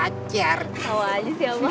kau aja sih abang